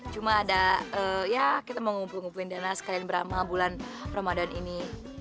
cuma ada ya kita mau ngumpul ngumpulin dana sekalian berapa bulan ramadan ini